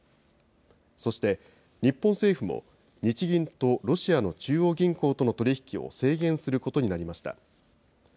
そして日本政府も、日銀とロシアの中央銀行との取り引きを制限することになりました。